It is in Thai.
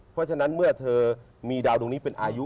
เพราะฉะนั้นเมื่อเธอมีดาวดวงนี้เป็นอายุ